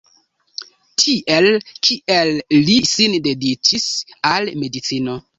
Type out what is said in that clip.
Tiel kiel li sin dediĉis al medicino.